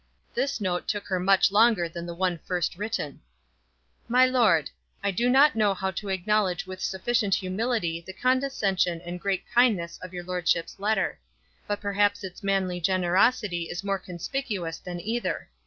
This note took her much longer than the one first written. MY LORD, I do not know how to acknowledge with sufficient humility the condescension and great kindness of your lordship's letter. But perhaps its manly generosity is more conspicuous than either.